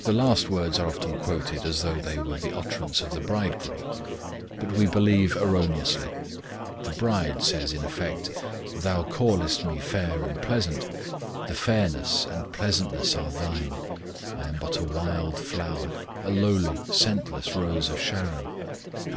The last words are often quoted as though they were the utterance of the Bridegroom, but we believe erroneously. The bride says in effect, Thou callest me fair and pleasant, the fairness and pleasantness are Thine; I am but a wild flower, a lowly, scentless rose of Sharon (_i.